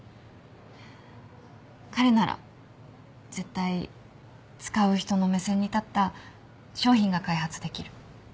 彼なら絶対使う人の目線に立った商品が開発できる